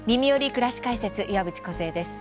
くらし解説」岩渕梢です。